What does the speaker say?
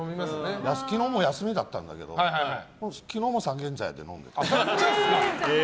昨日の休みだったんだけど昨日も三軒茶屋で飲んでた。